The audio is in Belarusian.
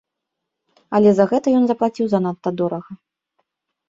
Але за гэта ён заплаціў занадта дорага.